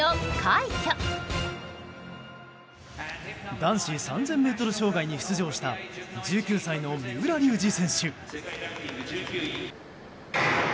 男子３０００ｍ障害に出場した１９歳の三浦龍司選手。